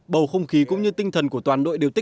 bầu không khí cũng như tinh thần của toàn đội việt nam